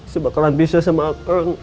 sebab kalian bisa sama aku